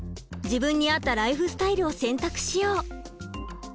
自分に合ったライフスタイルを選択しよう。